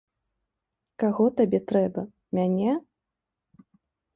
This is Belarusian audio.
Каго табе трэба, мяне?